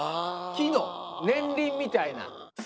木の年輪みたいな。